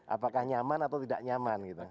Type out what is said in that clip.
apakah nyaman atau tidak nyaman gitu